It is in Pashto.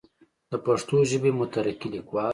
دَ پښتو ژبې مترقي ليکوال